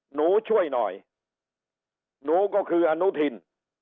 หนูช่วยหน่อยหนูก็คืออนุทิน